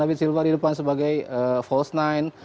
habit silva di depan sebagai false nine